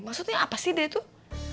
maksudnya apa sih deh tuh